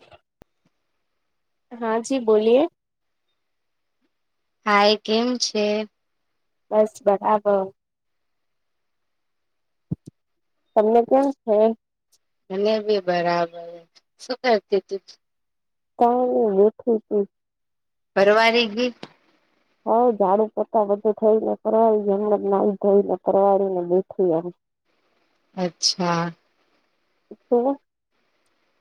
હ હા જી બોલીએ હાાય કેમ છે બસ બરાબર તમને કેમ છે મને બી બરાબર શું કરતી તું કા વઠું છું પરવારે ગી હવે ઝાડુ પોતા બધું થઈ ને પરવાળીજમ જ ના થઈને પરવાળને બેઠી એ અચ્છા હહ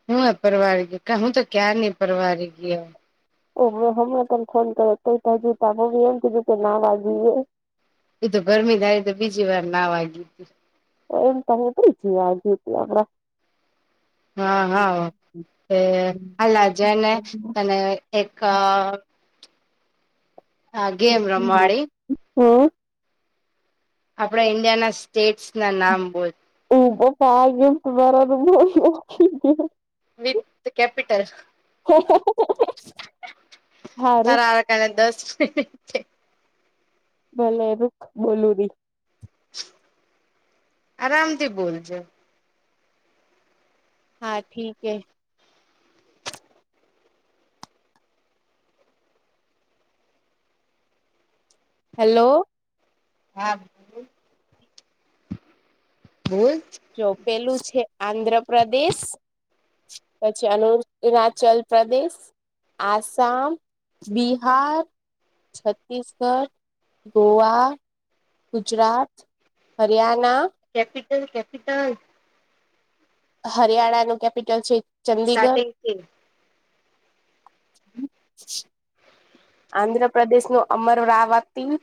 હું હ પરિવાર ગઇહું તો ક્યાાર નહી પરિવાર ગઈ ઓ હમણાં તને ફોન કર્યો હજી. એમ કીધું કે નાવ આવી એ તો ગરમી ધારી તો બીજી વાર ના વાગી હતીી એમ ત હ જ આપણા એ આ લજે ને તને એક અ ગેમ રમાડી હમ આપણા ઈન્ડિયા ના સ્ટેટ્સ ના નામ બોલ મારા મો વિથ ધ કેપિટલ હારું તાર ક દસ ભલે એનું બોલું દહી આરામથી બોલજો હા ઠીકે હેલો હા બોલ જો પેલું છે આંધ્રપ્રદેશ પછી આનુ અરણાચલ પ્રદેશ, આસામ, બિહાર, છત્તીસગઢ, ગોવા, ગુજરાત, હરિયાના, [unintelligible] હરિયાણા નું કેપિટલ છે ચંદીગઢ સ્ટાર્ટિંગ થી [inaudible] આંધ્રપ્રદેશનું અમરાવતી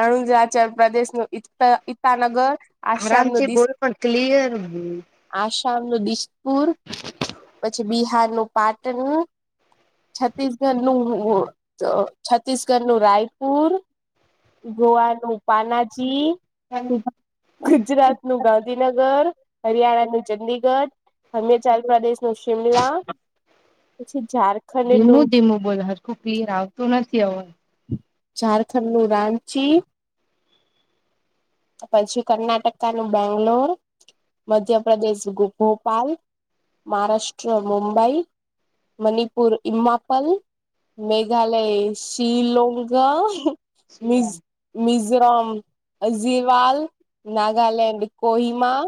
અરુણાચલ પ્રદેશનુ ઇટ ઈટાનગર આશમ આરામથી નદી બોલ આશ પણ ક્લિયર બોલ. આસામનું દિસપુર પછી બિહારનું પાટન છત્તીસગઢનું છત્તીસગઢનું રાયપુર ગોવાનું પાનાજી ગુજરાત નું ગા ધીનગર હરિયાણાનું ચંદીગઢ, હમયચલ પ્રદેશનું શિમલા, પછી ઝારખંડ નું ધીમું ધીમું બોલ હરખું ક્લિયર આવતું નથી અવાજ ઝારખંડનું રાંચી પછી કર્ણાટકાનું બેંગ્લોર મધ્યપ્રદેશ ગો ભોપાલ મહારાષ્ટ્ર મુંબઈ, મનિપુર ઇમાપલ, મેઘાલય શ્રીલોનકા, મિઝ મિઝરામ ઝીવાલ, નાગલેન્ડ કોહિમા,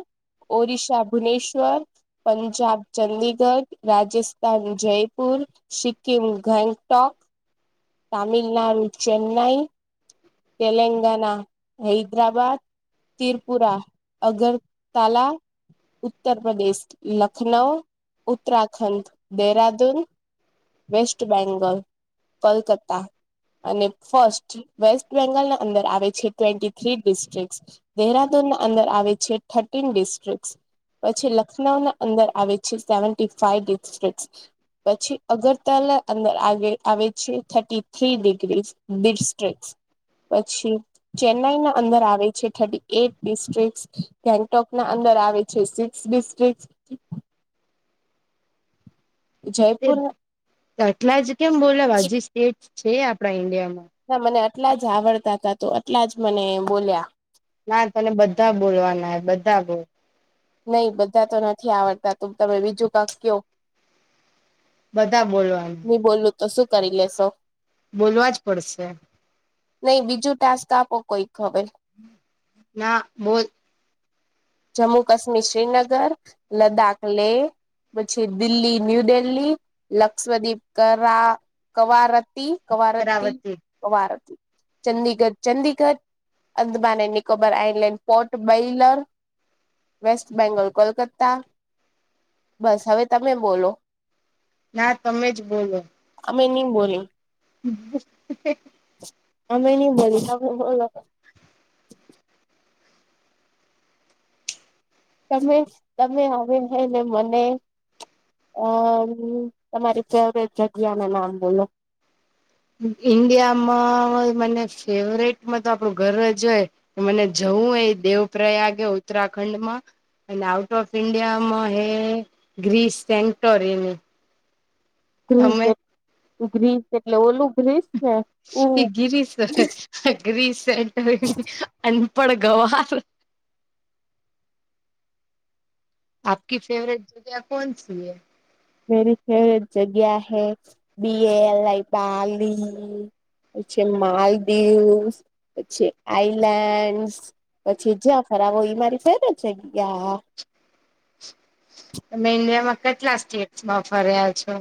ઓરિશા ભુવનેશ્વર, પંજાબ ચંદી ગઢ, રાજસ્થાન જયપુર, સિક્કિમ ગેંગટોક, તામિલનાડુ ચેન્નાઈ, તેલંગના હૈદરાબાદ, ત્રિપુરા અગરતાલા, ઉત્તર પ્રદેશ લખનઉ, ઉત્તરાખંડ દેરાદૂન, વેસ્ટ બેંગલ કલકત્તા, અને ફસ્ટ વેસ્ટ બેંગાલના અંદર આવે છે ટ્વેન્ટી થ્રી ડિસ્ટ્રિક દેહરાદૂનના અંદર આવે છે થર્ટીન ડિસ્ટ્રિક્ટ પછી લખનઉ ના અંદર આવે છે સેવી ફાઈવ ડિસ્ટ્રિક પછી અગરતલ અંદર આગે આવે છે થર્ટી થ્રી ડિગ્રી ડિસ્ટ્રિક્ટ પછી ચેન્નાઈ ના અંદર આવે છે થર્ટી એટ ડિસ્ટ્રિક ગેંગટોક ના અંદર આવે છે સિક્સ ડિસ્ટ્રિક જયપુર એટલા જ કેમ બોલે હજી સ્ટેટ છે આપડા ઈન્ડિયામાં એટલા જ આવડતા હતા તો એટલા જ મને બોલ્યા ના તને બધા બોલવાના બધા બોલ નહી બધા તો નથી આવડતા તું તમે બીજું કક્ષ કયો બધા ની બોલવાના બોલું તો શું કરી લેશો બોલવા જ પડશે નઈ બીજું ટાસ્ક આપો કોઈક હવે ના બોલ જમ્મુ કાશ્મીર શ્રીનગર, લદ્દાખ લેહ, પછી દિલ્હી ન્યૂ દિલ્હી, લક્ષદીવીપ કરા Kavaratti, Kavaratti, Kavaratti Kavaratti, Chandigarh, Chandigarh, Andaman Nicobar island port Blair West Bengal Kolkata બસ હવે તમે બોલો? ના તમે જ બોલો મેં ની બોલી [inaudible] અમે નહી બોલ [inaudible] તમે તમે આવે છે ને મને અ તમારી ફવ જગ્યા ના નામ બોલો ઈન્ડિયામાં મને ફેવરેટમાં તો આપણું ઘર જ હોય મને જ હું એ દેવ પ્ર્રયાગ ઉત્તરાખંડમાં અને આઉટ ઓફ ઈન્ડિયામાં હે ગ્રીસ સેગટોરીની ગ્રીસ એ ગ્રીસ એટલે ઓલું ગ્રીસ ને એ ગિરસ ગિશ અ પણ ગવાર આપકી ફેવરેટ જગ્યા કોન સી એ મેરી ફેવટ જગ્યા હૈ બીએલઈ પલી પ્છ માલદીવ પછી આઈલેન્ડ પછી જ્યાં ખરાબ હો એ મારી ફેરત છે તમે ઇન્ડિયામાં કેટલા સ્ટેટ્માં ફર્યા છો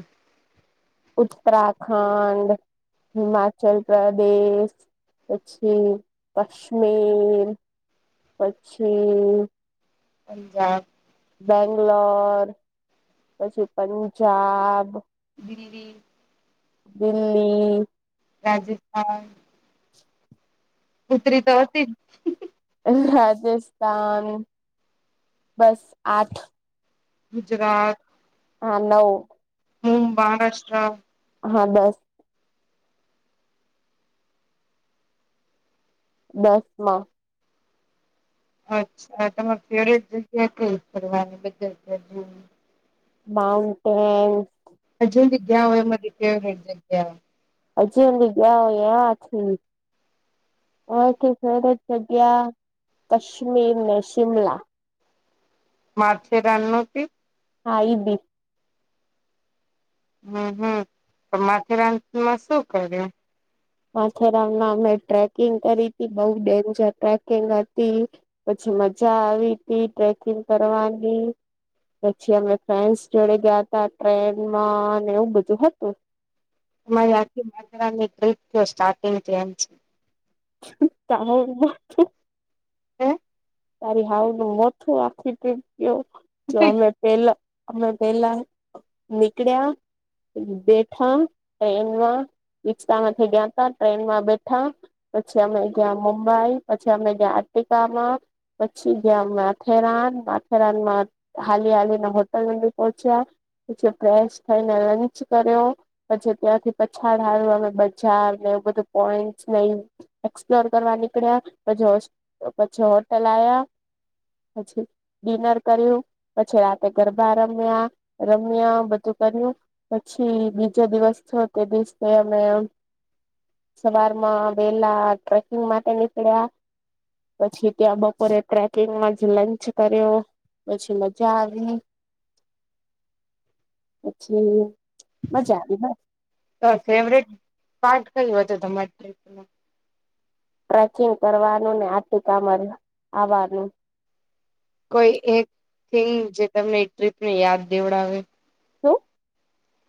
ઉત્તરાખંડ હિમાચલ પ્રદેશ પછી કશ્મીર પછી પંજાબ બેંગલોર પછી પંજાબ દિલ્હી દિલ્હી રાજસ્થાન ઉતરી તો હતી જ હાજ ન બસ આઠ ગુજરાત હા નવ હું મહારાષ્ટ્રા હા બસ દસ માં અચ્છા તમારે ફેવરટ જગ્યા ક ફની બધ માઉન્ટ હજુ જગ્યા હોય મારી ફેવટ જગ્યા હજી અમી ગયા હો એથી ઓરત જગ્યા કશ્મીર શિમલા માર્ચે રાણનોટી હા એી હમ હમ તો માથેરાનમાં શું કરે માથેરામાં અમે ટ્રેકિંગ કરી હતી બઉ ડેન્જર ટ્રેકિંગ હતી પછી મજા આવી હતી ટ્રેકિંગ કરવાની પછી અમે ફ્રેન્ડસ જોડે ગયા હતા ટ્રેનમાં અને એવું બધું હતું તમારી આખ માત્રરાની ટપ સ્ટાર્ટિંગ તેમ છે ત હમ તારી હાવ નું મોઠું આખી ટ જો અમે પેલા અમે પેલા નીકળ્યા બેઠા એમમાં રિકષા માંથી ગયા ત ટ્રેન માં બેઠા પછી અમે ગયા મુંબઈ પછી અમે ગયા પ કમાં પછી ગયા માથેરાન માથેરાનમાં હાલી હાલી ના હોટલ અંદર પહોંચ્યા પછ ફેશ થઈને લંચ કર્યો પછી ત્યાંથી પછાડ હાર અમે બજાર બ પોઈન્ટ એસપ્લોર કરવા નીકળ્યા પછી પછી પેહલા આ, પછી ડિનર કર્યું, પછી રાતે ગરબા રમ્યા રમ્યા, બધું કર્યું, પછી બીજો દિવસ છ તે દિવસે અમે સવારમાં વેલા ટ્રેકિંગ માટે નીકળ્યા, પછી ત્યાં બપોરે ટ્રેકિંગમાં જ લંચ કર્યો, પછી મજા આવી [unintelligible] [unintelligible] મજા આવી તો બસ ફેવરિટ પાર્ટ કયું હતું, તમારે ત્યાં? ના ટ્રેકિંગ કરવાનું ને આટું કામ આવવાનું કોઈ એક થિંગ જે તમને ટ્રીપ ને યાદ દેવડાવે? શું?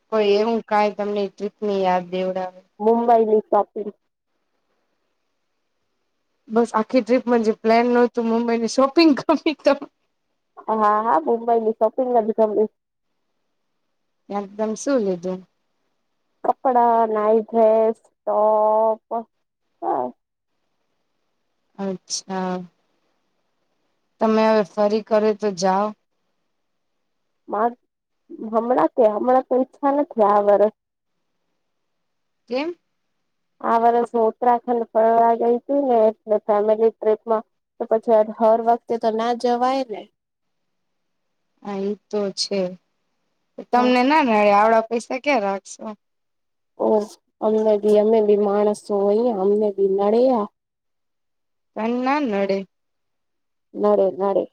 કોઈ એવું કાઈ તમને ટ્રીપની યાદ દેવડાવે મુંબઈની શોપિંગ બસ આખી ટ્રીપમાં જે પ્લેન નતું, મુંબઈની શોપિંગ કરવી હા, હા, મુંબઈની શોપિંગ [unintelligible] ગમી એકદમ, શું લીધું? કપડા, નાઈડ્રેસ, ટોપ, હ અચ્છા તમે હવે ફરી કરે તો જાવ [unintelligible] હમણાં કે, હમણાં તો ઈચ્છા નથી આ વર્ષ કેમ? આ વર્ષ, હું ઉત્તરાખંડ ફવા ગઈતી ને ફેમિલી ટ્રીપમાં, પછી હર વખતે તો ના જવાય ને [unintelligible] હા, એતો છે. તમને ના ના આવડા પૈસા ક્યા રાખ અચ્છા ઓહો અમને બી, અમે બી માણસો હોઈએ, અમને બી નડેયા તને ના નડે નારે નારે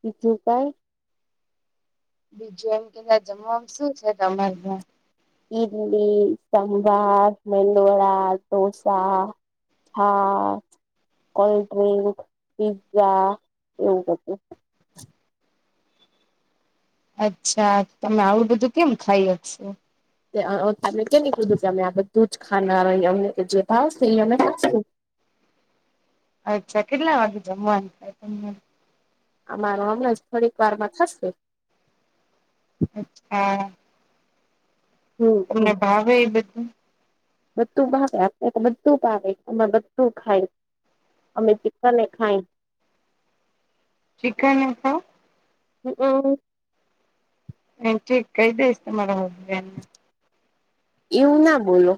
બીજુંકાય બીજું એમ કે ત્યાં જમવાવામાં શું છે, તમારે ત્યાં? ઇડલી, સંભાર, મેંદુવડા, દોસા હા. કોલ્ડ ડ્રિંક, પિઝા એવું બધ્ધું. અચ્છા, તમે આવું બધું કેમ ખાઈ હક શો? [unintelligible] અમે આ બધું જ ખાનાર, અમને જે ભાવસે એ અમે ખાસુ અચ્છા, કેટલા વાગે જમવાનું થાય, તમારે? આમાર હમણાંજ થોડીક વારમાં થશે. અચ્છા, હમ હમ તમને ભાવે એ બધું? બધું ભા, આપણે બધું ભાવે, એમાં બધું ખાય. અમે ચિક્કને ખાઈ ચિકન હોવ હમ્મ, હમ્મ. એનઠીક કઈ દઈશ તમારા ધ્યાનમાં એવું ના બોલો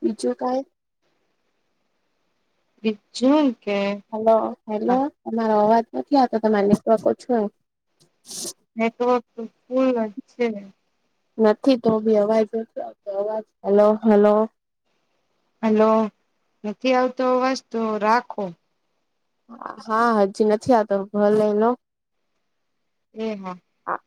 બીજું કા? બીજું કે હલો, હલો, તમારો અવાજ નથી આવતો તમારા નેટવર્કો ઓછો હે. હે તો ફૂલ અવાજ છે. નથી તો બી અવાજ ઓછો આવતો અવાજ. Hello, hello. હલો નથી, આવતો વસ્તુ રાખો હા, હજી નથી, આતો ભલે એનો એમ, હા. હા.